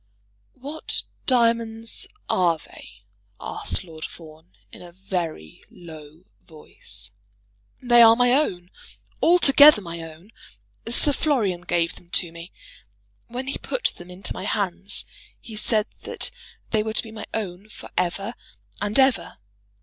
"What diamonds are they?" asked Lord Fawn in a very low voice. "They are my own, altogether my own. Sir Florian gave them to me. When he put them into my hands, he said that they were to be my own for ever and ever.